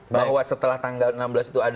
bahwa setelah tanggal enam belas itu ada